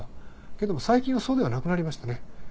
けども最近はそうではなくなりましたね。